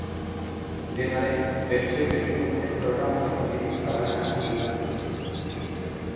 Dena den, bertsoek beteko dute programako zatirik zabalena igande honetan ere.